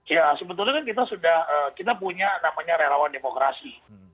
ya sebetulnya kan kita sudah kita punya namanya relawan demokrasi